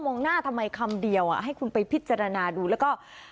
งหน้าทำไมคำเดียวให้คุณไปพิจารณาดูแล้วก็